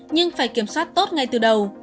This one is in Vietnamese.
nhưng phải kiểm soát tốt ngay từ đầu